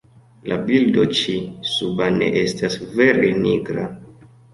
La bildo ĉi suba ne estas vere nigra.